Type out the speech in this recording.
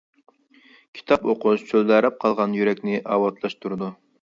كىتاب ئوقۇش چۆلدەرەپ قالغان يۈرەكنى ئاۋاتلاشتۇرىدۇ.